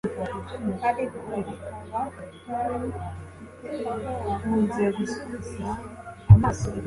ariko ukaba utari ufite aho wakura amakuru yizewe.